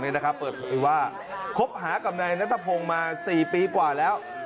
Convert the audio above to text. เข้าไปครบหากับนายนัทพงศ์มา๔ปีกว่าแล้ว